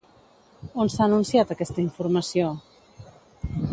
On s'ha anunciat aquesta informació?